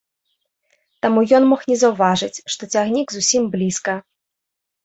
Таму ён мог не заўважыць, што цягнік зусім блізка.